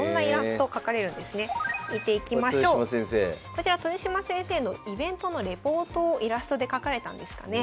こちら豊島先生のイベントのレポートをイラストで描かれたんですかね。